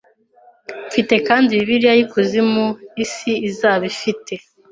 Mfite kandi Bibiliya yi kuzimu isi izaba ifite